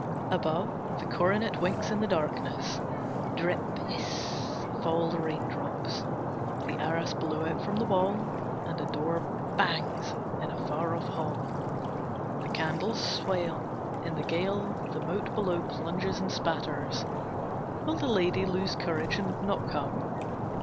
Above, the coronet winks in the darkness. Drip hiss fall the raindrops. The arras blows out from the wall, and a door bangs in a far off hall. The candles swale. In the gale the moat below plunges and spatters. Will the lady lose courage and not come?